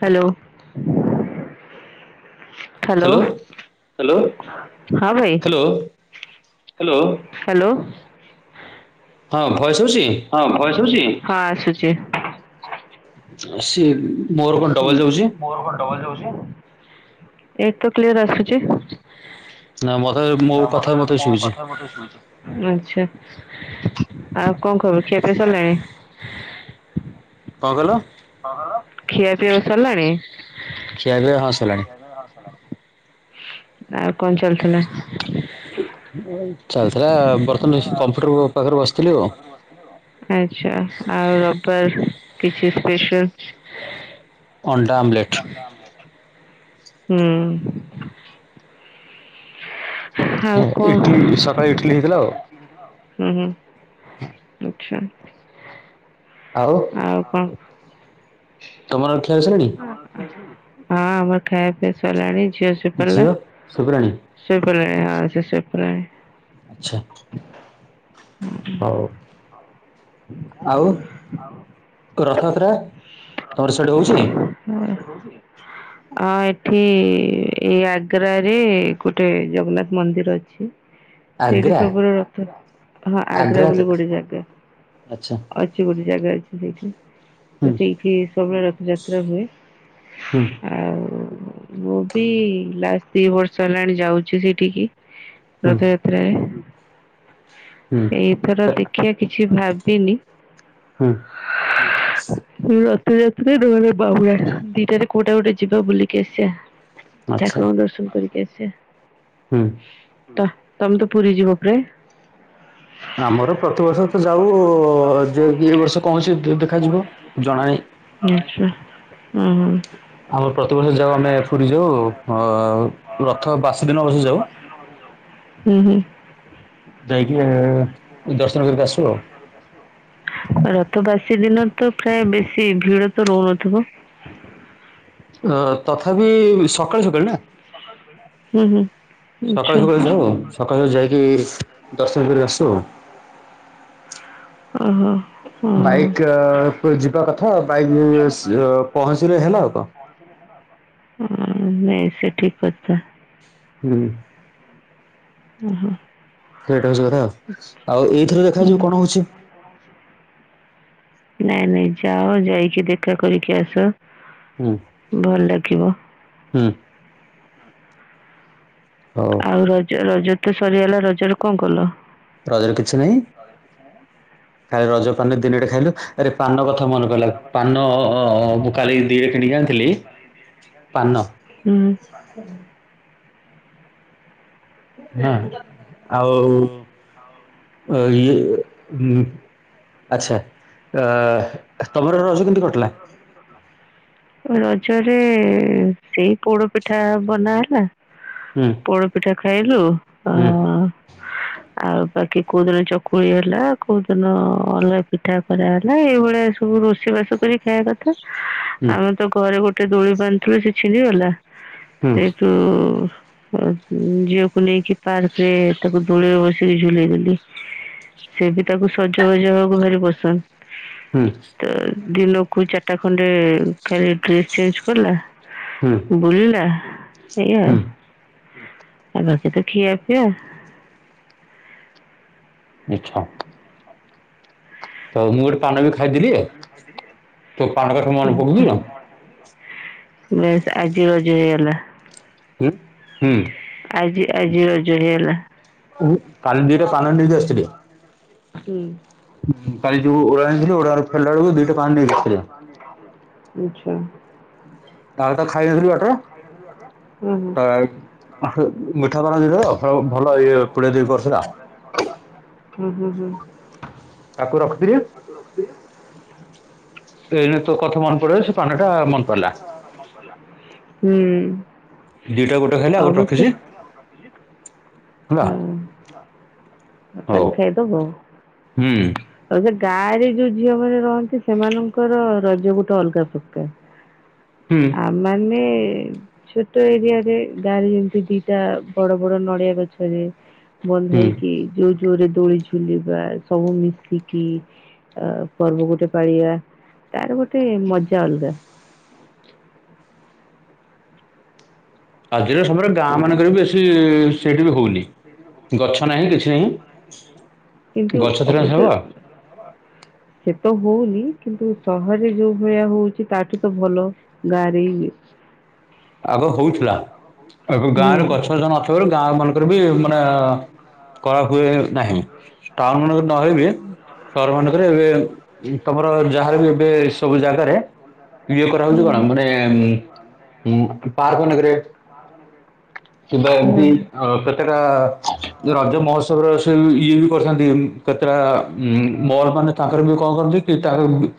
Hello hello. Hello hello ହଁ ବେ। Hello hello hello. ହଁ ଭଏସ ହଉଛି। ହଁ ଭଏସ ହୋଇଚି। ଅ ସିଏ ମୋର କଣ ଡବଲ ଯାଉଛି? ଏଇଠି ତ କ୍ଲିୟର ଆସୁଚି। [unintelligible] ହଁ ମତେ ମୋଉ କଥା ମତେ ଶୁଭୁଛି। ଆଛା ଆଉ କଂ ଖବର ଖିଆ ପିଆ ସରିଲାଣି। କଂ କଲ? ଖିଆପିଅ ସରିଲାଣି। ଖିଆପିଆ ହଁ ସଲାଣି। ଆଉ କନ୍ ଚାଲିଥିଲା? ଚାଲିଥିଲା ବର୍ତ୍ତମାନ କମ୍ପ୍ୟୁଟର ପାଖରେ ବସିଥିଲି ଆଉ। [inaudible] ଆଚ୍ଛା ଆଉ ରବିବାର କିଛି ସ୍ପେସାଲ। ଅଣ୍ଡା ଆମଲେଟ୍। [inaudible] ହୁଁ। ଇଟିଲି ସକାଳେ ଇଟିଲି ହେଇଥିଲା ଆଉ। ଉଁ ହୁଁ। [inaudible] ଚ୍ଛା। ଆଉ କଣ ତମର ଖିଆ ସଲାଣି? ହଁ ଆମର ଖାଇ ପିୟା ସରିଲାଣି ଝିଅ ଶୋପଡ଼ିଲା। ଝିଅ ଶୁଭିଲାଣି ଶୋଇପଡ଼ିଲାଣି ହଁ ସେ ଶୋଇପଲାଣି। ଆଚ୍ଛା ହଉ ଆଉ ରଥଯାତ୍ରା ତମର ସେଠି ହଉଛି? ହଁ। ହଁ ଏଠି ଏଇ ଆଗ୍ରାରେ ଗୋଟେ ଜଗନ୍ନାଥ ମନ୍ଦିର ଅଛି। ସେଇଠି ଆଗ୍ରା ସବୁର ରଥ ହଁ ଆଗ୍ରା ବୋଲି ଗୋଟେ ଜାଗା। ଆଚ୍ଛା ଅଛି ଗୋଟେ ଜାଗା ଅଛି ସେଇଠି। ତ ହୁଁ ସେଇଠି ସବୁବେଳେ ରଥଯାତ୍ରା ହୁଏ। ହୁଁ ଆଉ ମୁଁ ବି ଲାଷ୍ଟ ଦି ବର୍ଷ ହେଲାଣି ଯାଉଛି ସେଇଠିକି। ହୁଁ ରଥଯାତ୍ରାରେ ହୁଁ ଏଇଥର ଦେଖିଆ କିଛି ଭାବିନି। ହୁଁ ଏ ରଥଯାତ୍ରା ନହେଲେ ବାହୁଡ଼ା ଦିଟାରେ କୋଉଟା ଗୋଟେ ଯିବା ବୁଲିକି ଆସିଆ। ଆଚ୍ଛା ଠାକୁରଙ୍କ ଦର୍ଶନ କରିିକି ଆସିବା। ହୁଁ ତ ତମେ ତ ପୁରୀ ଯିବ ପ୍ରାୟ। ଆମର ପ୍ରତିବର୍ଷ ତ ଯାଉ ଯୋ-ଦିବର୍ଷ କୌଣସି ଦେ-ଦେଖାଯିବ ଜଣାଇ ଆଚ୍ଛା ହୁଁ ହୁଁ ଆମର ପ୍ରତିବର୍ଷ ଯାଉ ଆମେ ପୁରୀ ଯାଉ ରଥ ବାସି ଦିନ ବର୍ଷ ଯାଉ ହୁଁ ହୁଁ ଯାଇକି ଏ ଦର୍ଶନ କରିକି ଆସୁ ଆଉ ରଥ ବାସି ଦିନ ତ ପ୍ରାୟ ବେଶୀ ଭିଡ ତ ରହୁନଥିବ। ଅ ତଥାପି ସକାଳୁ ସକାଳୁ ନା? [inaudible] ହୁଁ ହୁଁ। ସକାଳୁ ଆଚ୍ଛା ସକାଳୁ ଯାଇ ହବ ସକାଳୁ ସକାଳୁ ଯାଇକି ଦର୍ଶନ କରିଆସୁ। ଓହୋ ହଁ ବାଇକ ତା ପରେ ଯିବା କଥା ବାଇକ୍ ରେ ସ୍ ପହଞ୍ଚିଲେ ହେଲା ଆଉ କଣ? ହଁ ନାଇ ସେ ଠିକ କଥା। ହୁଁ ଓହୋ ସେଇଟା ହଉଛି କଥା ଆଉ ଏଇଥିରେ ଦେଖାଯିବ ହୁଁ କଣ ହଉଛି? ନାଇଁ ନାଇଁ ଯାଅ ଯାଇକି ଦେଖା କରିକି ଆସ ହୁଁ ଭଲ ଲାଗିବ। ହୁଁ ହଉ ଆଉ ରଜ ରଜ ତ ସରିଗଲା ରଜ ରେ କଣ କଲ? ରଜରେ କିଛି ନାହିଁ ଖାଲି ରଜ ପାନ ଦିନଟେ ଖାଇଲୁ। ଆରେ ପାନ କଥା ମନେ ପଇଲା ପାନ-ଅ-ଅ ମୁଁ କାଲି ଦିଟା କିଣିକି ଆଣିଥିଲି ପାନ। ହୁଁ [inaudible] ହଁ ଆଉ ଇଏ ଆଚ୍ଛା। ଆ ତମର ରଜ କେମିତି କଟିଲା? ରଜରେ ସେଇ ପୋଡ ପିଠା ବନା ହେଲା। ହୁଁ ପୋଡପିଠା ଖାଇଲୁ ଆ ହୁଁ ଆଉ ବାକି କୋଉ ଦିନ ଚକୁଳି ହେଲା କୋଉ ଦିନ ଅଲଗା ପିଠା କରା ହେଲା ଏଇଭଳିଆ ସବୁ ରୋଷେଇ ବାସ କରି ଖାଇବା କଥ। ହୁଁ ତ ଘରେ ଗୋଟେ ଦୋଳି ବାନ୍ଧଥିଲୁ ସେ ଛିଡିିଗଲା ହୁଁ ସେ ତୁ ଝିଅକୁ ନେଇକି ପାର୍କ ରେ ତାକୁ ଦୋଳେଇ ବସେଇ ଠିକ୍ ଝୁଲେଇ ଦେଲି ସେ ବି ତାକୁ ସଜବାଜ ହବାକୁ ଭାରି ପସନ୍ଦ। ହୁଁ। ତ ଦିନକୁ ଚାଟା ଖଣ୍ଡେ ଫେରେ ଡ୍ରେସ୍ ଚେଞ୍ଜ କଲା ହୁଁ। ବୁଲିଲା, ଏଇ ଆଉ ହୁଁ ଆଉ ବାକି ତ ଠୀଆ ପିଆ। ମିଛ। ତ ମୁଁ ଗୋଟେ ପାନ ବି ଖାଇଦେଲିି ତୋ ପାନ କଥା ମନେ ପକେଇକି। ବେଶ ଆଜି ରଜ ହେଇଗଲା। ଉଁ ହୁଁ। ଆଜି ଆଜି ହେଇଗଲା। ଉଁ କାଲି ଦିଟା ପାନ ନେଇକି ଆସିଥିଲି। ଉଁ। କାଲି ଯୋଉ ଓଳା ଆଣିଥିଲି, ଓଡା ରୁ ଫେରିଲା ବେଳକୁ ଦିଟା ପାନ୍ ନେଇଆସିଥିଲା। [unintelligible] ଆଚ୍ଛା। ଆଉ ତ ଖାଇ ନଥିଲୁ ବାଟରେ ହଁ ହଁ ତ ଏ ହେ ମିଠା ପାନ ଦେଇଥିଲା ତ, ଭଲ ଇଏ ପୁଡ଼ିଆ ଦେଇ କରି ଥିଲା। ହୁ ହୁ ହୁ। ତାକୁ ରଖି ପରିବେ? ରଖୁଛି। ଏଇନେ ତୋ କଥା ମନେ ପଡିଗଲା ସେ ପାନ ଟା ମନ ପଡିଲା। ହୁଁ ଦିଟା ଗୋଟେ ହେଲା ଆଉ ଗୋଟେ ଅବଶ୍ୟ ରଖିଛି। ହେଲା ହଉ ହୁଁକାଲି ଖାଇଦବ ହୁଁ ଆଉ ଯିଏ ଗାଁ ରେ ଯୋଉ ଝିଅ ମାନେ ରହନ୍ତି ସେମାନଙ୍କର ରଜ ଗୋଟେ ଅଲଗା ପ୍ରକାର। ହୁଁ ଆ ମାନେ ଛୋଟ ଏରିଆ ରେ ଗାଁରେ ଯେମିତି ଦିଟା ବଡ ବଡ ନଡିଆ ଗଛ। ରେ ହୁଁ ବନ୍ଧାଇକି ଯୋଉ ଜୋରେ ଦୋଳି ଝୁଲିବା ସବୁ ମିଶିକି ଆଉ ପର୍ବ ଗୋଟିଏ ପାଳିବା ତାର ଗୋଟିଏ ମଜା ଅଲଗା। ଆଜିର ସମୟରେ ଗାଁ ମାନଙ୍କରେ ବି ବେଶୀ, ସେଇଠି ବି ହଉନି। ଗଛ ନାହିଁ କିଛି ନାହିଁ। କିନ୍ତୁ ଗଛ ଥିଲେ ସିନା ଅବଶ୍ୟ ହବ ଶୀତ ହଉନି କିନ୍ତୁ ସହରରେ ଯୋଉ ଭଳିଆ ହଉଛି ତାଠୁ ତ ଭଲ ଗାଁରେ ହି ଆଗରୁ ହଉଥିଲା ଏବେ ହୁଏ। ଗାଁରେ ଗଛ ଯମା ନ ତାପରେ ବି ଗାଁ ମାନଙ୍କରେ ବି ମାନେ କଳା ହୁଏ ନାହିଁ। ଟାଉନ୍ ମାନଙ୍କରେ ସବୁ ନହେଇକି ସହର ମାନଙ୍କରେ ଏବେ ଏଇ ତମର ଯାହାର ବି ଏବେ ସବୁ ଜାଗାରେ ଇଏ କରାହଉଛି ହୁଁ କଣ ମାନେ ଉଁ ହୁଁ ହୁଁ ପାର୍କ ମାନଙ୍କରେ କେବଳ ହୁଁ ହୁଏଇ ଆଉ କେତେଟା ରଜ ମହୋତ୍ସବ ରେ ସେଇ ଇଏ ବି କରିଥାନ୍ତି କେତେଟା ଉଁ ମୋର ମାନେ ତାଙ୍କର ବି କଣ କରନ୍ତି ପିଠା କରନ୍ତି।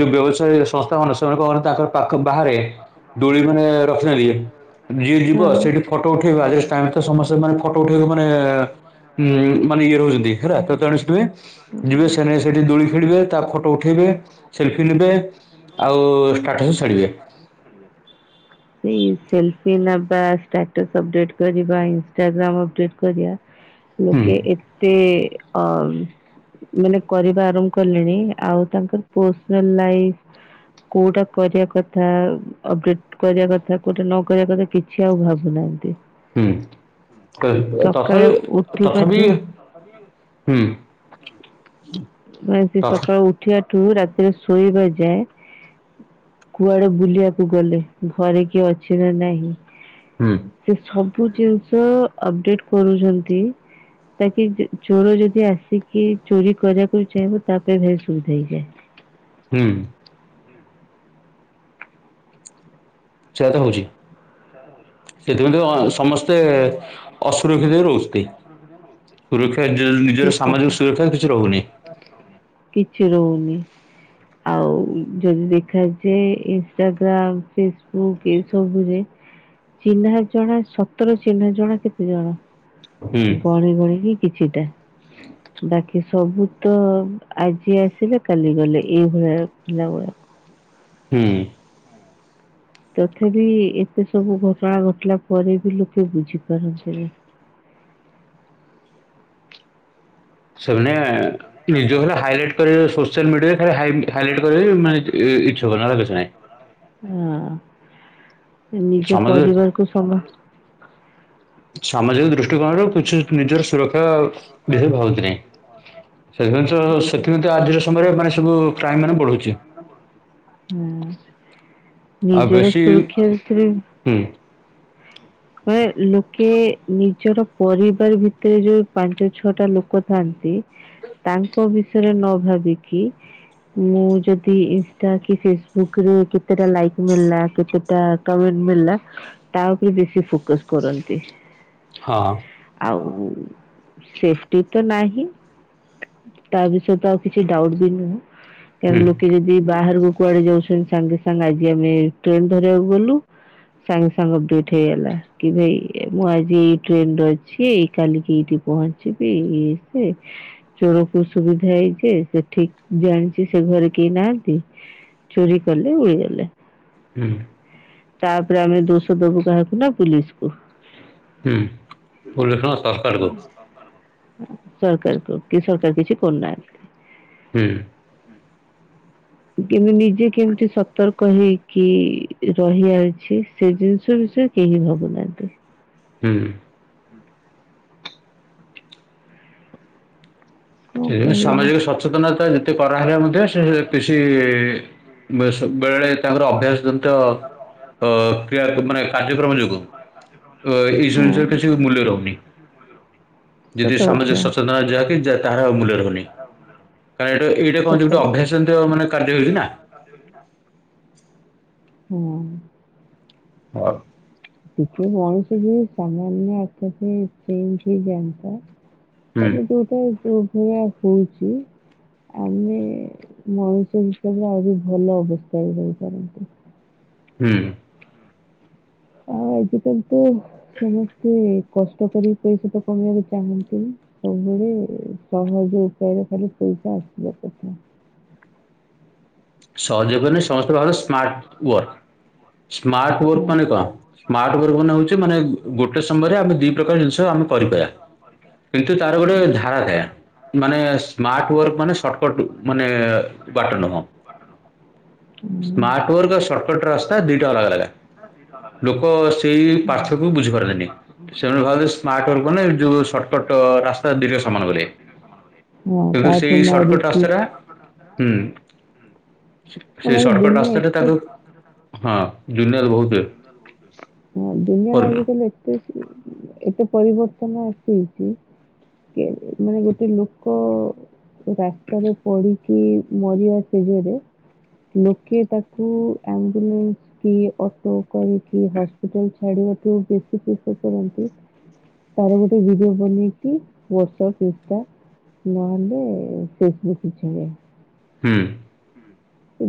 ଯେଉଁ ବ୍ୟବସାୟୀର ସଂସ୍ଥାମାନ ସେମାନଙ୍କ ତାଙ୍କ ପାଖ ବାହାରେ। ଦୋଳି ମାନେ ରଖିନାହାନ୍ତି କେହି ଯିଏ ଯିବ ସେଇଠି ହଁ ଫଟୋ ଉଠେଇବା ଆଜି ଟାଇମ୍ ତ ସମସ୍ତେ ମାନେ ଫଟୋ ଉଠେଇବେ ମାନେ ଉଁ ମାନେ ଇଏ ରହୁଛନ୍ତି ହେଲା ତ କଣ ଶିଖିବେ ହଁ ଯିବା ସଙ୍ଗେସ ସେଠି ଦୋଳି ଖେଳିବେ ତା ଫଟୋ ଉଠେଇବେ ସେଲଫି ନେବେ ଆଉ ଷ୍ଟାଟସ୍ ଛାଡିବେ। ଏଇ ସେଲଫି ନବା ଷ୍ଟାଟସ୍ ଅପ୍ ଡେଟ୍ କରିବା ଇନଷ୍ଟାଗ୍ରାମ୍ ଅପ୍ ଡେଟ୍ କରିବା। ହୁଁ ଲୋକେ ଏତେ ଅ ମାନେ କରି ସାର୍ଙ୍କୁ କଲିଣି ଆଉ ତାଙ୍କର ପୋଷନାଲ ଲାଇଫ। କୋଉଟା କରିବା କଥା ଆ ଅପଡେଟ କରିବା କଥା କୋଉଟା ନ କରିବା କଥା କିଛି ଆଉ ଭାବୁନାହାନ୍ତି। ହୁଁ ସକାଳେ ତଥାବି ତଥାବି ଉଠିବାଠୁ ହୁଁ। ମୁଁ ଏମତି ତଥ ସକାଳୁ ଉଠିିବା ଠୁ ରାତିରେ ଶୋଇବା ଯାଏ କୁଆଡେ ବୁଲିବାକୁ ଗଲେ ଘରେ କିଏ ଅଛି ନା ନାହିଁ। ହୁଁ। ସେ ସବୁ ଜିନିଷ ଅପଡେଟ କରୁଚନ୍ତି। ତାକି ଚୋର ଯଦି ଆସିକି ଚୋରି କରିବାକୁ ଚାହିଁବ ତାପାଇଁ ଭାରି ସୁବିଧା ହେଇଯାଏ। ହୁଁ। ସେୟାତ ହଉଚି। ଆ। ସେଥିପାଇଁ ତ ସମସ୍ତେ ଅସୁରକ୍ଷିତରେ ରହୁଚନ୍ତି। ସୁରକ୍ଷା ନିଜର ଠିକ୍ କଥା ସାମାଜିକ ସୁରକ୍ଷା କିଛି ରହୁନି। କିଛି ରହୁନି। ଆଉ ଯଦି ଦେଖାଯାଏ ଇନଷ୍ଟାଗ୍ରାମ ଫେସବୁକ୍ ଏସବୁରେ ଚିହ୍ନା ଜଣା ସତର ଚିହ୍ନା ଜଣା କେତେ ଜଣ। ହୁଁ ଗଣି ଗଣି କି କିଛିଟା। [inaudible] ବାକି ସବୁ ତ ଆଜି ଆସିଲେ କାଲି ଗଲେ ଏଇଭଳିଆ ପିଲା ଗୁରା। ହୁଁ। ତଥାବି ଏତେ ସବୁ ଘଟଣା ଘଟିଲା ପରେ ବି ଲୋକେ ବୁଝିପାରନ୍ତିନି। [unintelligible] ନିଜ ଘରେ ହାଇଲାଇଟ୍ କରି ସୋସିଆଲ ମିଡିଆରେ ଖାଲି ହାଇଲାଇଟ୍ କରେ ମାନେ ଇଛୁକ ନହେଲେ କିଛି ନାଇଁ। ହଁ ନିଜ ସମାଜ ପରିବାରକୁୁ ସମ [inaudible] ସାମାଜିକ ଦୃଷ୍ଟିକୋଣରୁ କିଛି ନିଜର ସୁରକ୍ଷା [unintelligible] ଭାବନ୍ତି ନାହିଁ। ସେଥିପାଇଁ ତ ହୁଁ ସେଥିର ତ ଆଜିର ସମୟରେ ମାନେ ସବୁ କ୍ରାଇମ ମାନେ ବଢୁଛି। ହୁଁ ଆଉ ନିଜର ବେଶୀ ସୁରକ୍ଷା ବିଷୟରେ ହୁଁ। [unintelligible] ଲୋକେ ନିଜର ପରିବାର ଭିତରେ ଯୋଉ ପାଞ୍ଚ ଛଅ ଟା ଲୋକ ଥାଆନ୍ତି ତାଙ୍କ ବିଷୟରେ ନ ଭାବିକି ମୁଁ ଯଦି ଇନଷ୍ଟା କି ଫେସବୁକ ରେ କେତେଟା ଲାଇକ୍ ମିଳିଲା କେତେ ଟା କମେଣ୍ଟ ମିଳିଲା ତା ଉପରେ ବେଶୀ ଫୋକସ କରନ୍ତି। ହଁ। ଆଉ ସେଟିତ ନାହିଁ। ତାବିଷୟତ ଆଉ କିଛି ଡାଉଟୁବି ନୁହଁ ହୁଁ କାରଣ ଲୋକେ ଯଦି ବାହାରକୁ କୁଆଡ଼େ ଯାଉଛନ୍ତି ସାଙ୍ଗେ ସାଙ୍ଗେ ଆଜି ଆମେ ଟ୍ରେନ୍ ଧରିବାକୁ ଗଲୁ। ସାଙ୍ଗେ ସାଙ୍ଗ ଡୁଟ୍ ହେଇଗଲା। କିଭାଇ ମୁଆଜି ଏଇ ଟ୍ରେନରେ ଅଛି କାଲିକି ଏଇଠି ପହଞ୍ଚିବି ଇଏ ସିଏ ଚୋରକୁ ସୁବୁଥାଏଯେ ସେଠିକ୍ ଜାଣିଚି ସେଘରେ କେହି ନାହାନ୍ତି। ଚୋରି କଲେ ଉଡ଼ିଗଲେ। ହୁଁ। ତାପରେ ଆମେ ଦୋଷ ଦବୁ କାହାକୁନା ପୁଲିସିକୁୁ। ହୁଁ ପୁଲିସ୍ କଣ ସରକାର ଦୋଉ। ହୁଁ ସରକାର ଦୋଉ କିସରକାର କିଛି କରୁନାହାନ୍ତି। ହୁଁ। [unintelligible] ନିଜେ କେମିତି ସତର୍କ ହେଇକି ରହିଆଛି ସେ ଜିନିଷ ବିଷୟ କେହି ଭାବୁନା ହୁଁ। କଣ ସେ କହିବ ସାମାଜିକ ସଥ ସଚେତନତା ଯେତେ କରାହେଲେ ମଧ୍ୟ ସେ କିଛି ବେସ୍ ବେଳେବେଳେ ତାଙ୍କର ଅଭ୍ୟାସ ତ କ୍ରୟା ମାନେ କାର୍ଯ୍ୟକ୍ରମ ଯୋଗୁ ଏଇସବୁ ହଁ ଜିନିଷରେ କିଛି ମୂଲ୍ୟ ରହୁନି ଯଦି ସତ କଥା ସାମାଜିକ ସଚେତନ ଯାହାକି ତାହାର ଆଉ ମୂଲ୍ୟ ରହୁନିଁ କାରଣ ଏଇଟା ଏଇଟା କହନ୍ତି ଗୋଟେ ଅଭ୍ୟାସନ୍ତ ମାନେ କାର୍ଯ୍ୟ ହେଉଚିନା। ହୁଁ। ହଁ ଟିକେ ମଣିଷ ଯେଦି ସାମନ୍ୟ [unintelligible] ଚେଞ୍ଜ ହେଇଯନ୍ତା। ତାପରେ ହୁଁ ଯୋଉଟା ଯୋଉ ଭଳିୟଆ ହଉଚି ଆମେ ମଣିଷ ହିସାବରେ ଆହୁରି ଭଲ ଅବସ୍ଥାରେ ରହିପାରନ୍ତେ। ହୁଁ। ଆଉ ଆଜିିକାଲିତ ସମସ୍ତେ କଷ୍ଟ କରି ପଇସାଟା କମେଇବାକୁ ଚାହାଁନ୍ତିନି। ସବୁଳେ ସହଜ ଉପାୟରେ ଖାଲି ପଇସା ଆସିବା କଥା। ସହଯୋଗ ମାନେ ସମସ୍ତେ ଭଲ ସ୍ମାର୍ଟ ୱାର୍କ ସ୍ମାର୍ଟ ୱକ ହଁ। ମାନେ କଣ? ସ୍ମାର୍ଟ ବର୍ଗ ମାନେ ହଉଚି ମାନେ ଗୋଟେ ସମୟରେ ଆମେ ଦି ପ୍ରକାର ଜିନିଷ ଆମେ କରିପାରିବା। କିନ୍ତୁ ତାର ଗୋଟେ ହଁ। ଧାରା ଥାଏ। ମାନେ ସ୍ମାର୍ଟ ୱାର୍କ ମାନେ ସର୍ଟକଟ ମାନେ ବାଟ ନୁହଁ। ସ୍ମାର୍ଟ ହୁଁ ୱର୍କ ଆଉ ସର୍ଟକଟ ରାସ୍ତା ଦିଟା ଅଲଗା ଅଲଗା [unintelligible] ଲୋକ ସେଇ ପାର୍ଥକୁ ବୁଝିପାରନ୍ତିନି ସେମାନେ ଭାବନ୍ତି ସ୍ମାର୍ଟ ୱର୍ଗ ମାନେ ଯୋଉ ସର୍ ରାତା ଦିଟା ସମାନ ବୋଲି ହଁ କିନ୍ତୁ କାହାକୁ ସେଇ ସର୍ଟକଟ୍ ମାରିକି ରାସ୍ତା ହୁଁ। ସେଇ ଆମର ସର୍ଟକଟ ଦୁନିଆ ରାସ୍ତାଟାରେ ଏତେ ତାକୁ ହଁ ଜୁନଆଲ ବହୁତ୍ ହଁ ଦୁନିଆରେ ଆଜିିକାଲି ଏତେ ଏତେ ପରିବର୍ତ୍ତନ ଆସୁଚି କେ ମାନେ ଗୋଟେ ଲୋକ ରାସ୍ତାରେ ପଡ଼ି କି ମରିବା ସେଜରେ ଲୋକେ ତାକୁ ଆମ୍ବୁଲାନ୍ସ କିଅଟୋ କରିକି ହସ୍ପି ହସ୍ପିଟାଲ୍ ଛାଡ଼ିବା ପାଇଁ ବେଶୀ ଚେଷ୍ଟା କରନ୍ତି। ତାର ଗୋଟେ ଭିଡିଓ ବନେଇକି ହ୍ୱାଟସପ୍ ଇନେଷ୍ଟ୍ ନହେଲେ ଫେସବୁକ୍ କିଛି ନୁହେଁ। ହୁଁ।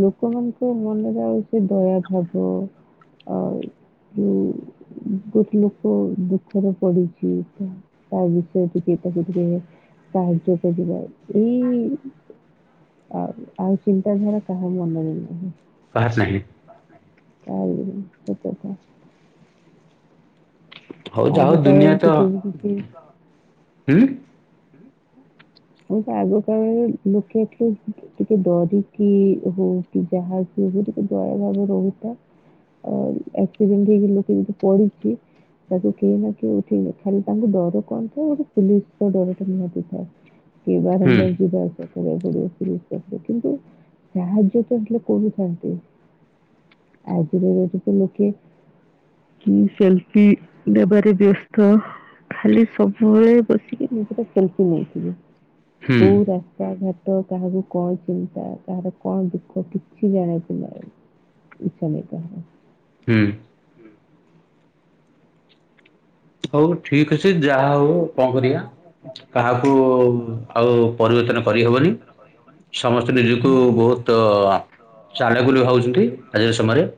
ଲୋକମାନଙ୍କ ମନରେ ଆଉ ସେଦୟା ଭାବ ଆଉ ଯଉ ଗୋଟେ ଲୋକ ଦୁଃଖରେ ପଡିଛି ଏଠି ତା ବିଷୟରେ ଟିକେ ତାକୁ ଟିକେ ସାହାଯ୍ୟ କରିଦବା ଏଇ ଆଉ ଆଉ ଚିନ୍ତାଧାରା କାହା ମନରେବି ନାହିଁ। ପାହଚ ନାହିଁ। [unintelligible] ହଉ ଯା ହଉ ଆଗ ଦୁନିଆ କାଳରେ ତ ଟିକେ ବି କିଛି ହୁଁ? ମୁଁ ତ ଆଗ କାଳରେ [unintelligible] ଟିକେ ଡରିକି ହଉ କି ଯାହା କି ହଉ ଟିକେ ଦୟା ଭାବ ରହୁ ଅ ଆକ୍ସିଡେଣ୍ଟ ହେଇକି ଲୋକେ ଯଦି ପଡ଼ିଛି ତାକୁ କେହି ନା କିଏ ଉଠେଇବେ। ଖାଲି ତାଙ୍କୁ ଡର କଣ ଥାଏ ଗୋଟେ ପୋଲିସ ର ଡର ଟା ନିହାତି ଥାଏ। କି ହୁଁ ବାରମ୍ବାର ଯିବା [unintelligible] କିନ୍ତୁ ସାହାଯ୍ୟ ତ [unintelligible] କରୁଥାନ୍ତି। ଆଜିର [unintelligible] ତ ଲୋକେ କି ସେଲ୍ଫି ନେବା ରେ ବ୍ୟସ୍ତ। ଖାଲି ସବୁବେଳେ ବସିକି ମୁଁ [unintelligible] ହୁଁ କୋଉ ରାସ୍ତାଘା କାହାକୁ କଣ ଚିନ୍ତା, କାହାର କଣ ଦୁଃଖ କିଛି ଜାଣିବାକୁ ନାହିଁ। ଇଚ୍ଛା ନାହିଁ କାହାର। ହୁଁ। ହଉ ଠିକ୍ ଅଛି ଯାହା ହଉ କଣ କରିବା। କାହାକୁ ଆଉ ପରିବର୍ତ୍ତନ କରିହବନି। ସମସ୍ତେ ନିଜକୁ ବହୁତ ତ ଚାଲାକ୍ ବୋଲିୁ ବୋଲି ଭାବୁଛନ୍ତି ଆଜିର ସମୟରେ।